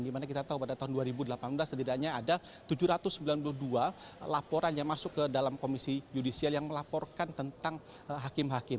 dimana kita tahu pada tahun dua ribu delapan belas setidaknya ada tujuh ratus sembilan puluh dua laporan yang masuk ke dalam komisi yudisial yang melaporkan tentang hakim hakim